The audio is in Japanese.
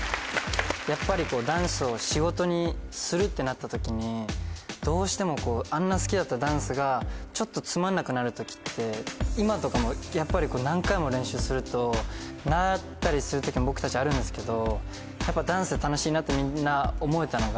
やっぱりダンスを仕事にするってなった時にどうしてもあんな好きだったダンスがちょっとつまんなくなる時って今とかも何回も練習するとなったりする時も僕たちあるんですけど。